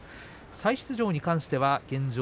再出場に関しては現状